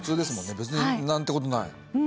別に何てことない。